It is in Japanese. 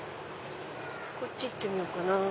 こっち行ってみようかなぁ。